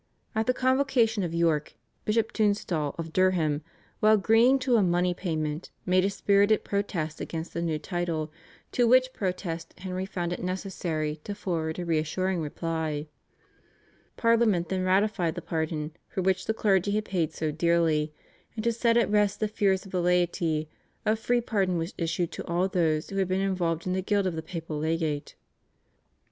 At the Convocation of York, Bishop Tunstall of Durham, while agreeing to a money payment, made a spirited protest against the new title, to which protest Henry found it necessary to forward a reassuring reply. Parliament then ratified the pardon for which the clergy had paid so dearly, and to set at rest the fears of the laity a free pardon was issued to all those who had been involved in the guilt of the papal legate.